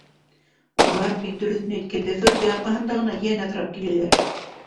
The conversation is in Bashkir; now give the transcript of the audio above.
Улар бит, дөрөҫөн әйткәндә, Фәүзиә арҡаһында ғына йән аҫрап киләләр...